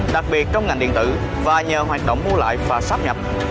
đặc biệt trong ngành điện tử và nhờ hoạt động mua lại và sắp nhập